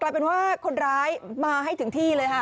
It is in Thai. เป็นว่าคนร้ายมาให้ถึงที่เลยค่ะ